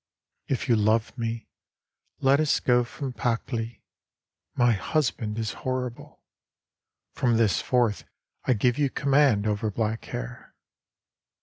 If you love me, let us go from Pakli, My husband is horrible. From this forth I give you command over black hair.